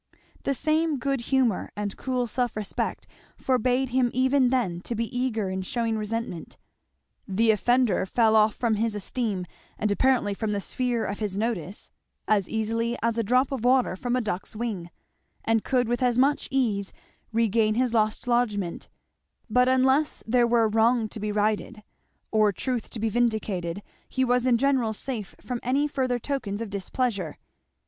The same good humour and cool self respect forbade him even then to be eager in shewing resentment; the offender fell off from his esteem and apparently from the sphere of his notice as easily as a drop of water from a duck's wing, and could with as much ease regain his lost lodgment, but unless there were wrong to be righted or truth to be vindicated he was in general safe from any further tokens of displeasure.